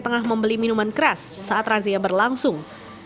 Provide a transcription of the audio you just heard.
tengah membeli minuman keras saat razia berlangsung